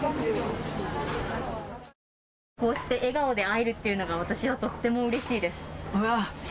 こうして笑顔で会えるというのが私はとってもうれしいです。